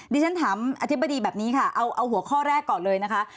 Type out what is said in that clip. ดิฉันถามอธิบดีแบบนี้ค่ะเอาหัวข้อแรกก่อนเลยนะคะ